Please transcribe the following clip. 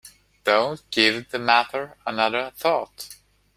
Don't give the matter another thought.